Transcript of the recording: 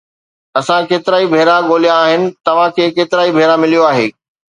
اسان ڪيترائي ڀيرا ڳوليا آهن، توهان کي ڪيترائي ڀيرا مليو آهي